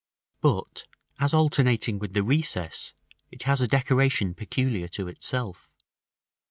§ V. But, as alternating with the recess, it has a decoration peculiar to itself.